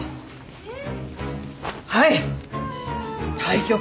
えっ？